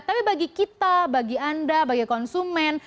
tapi bagi kita bagi anda bagi konsumen